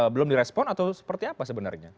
belum direspon atau seperti apa sebenarnya